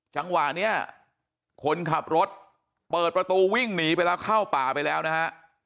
จังหวะนี้คนขับรถเปิดประตูวิ่งหนีไปแล้วเข้าป่าไปแล้วนะฮะ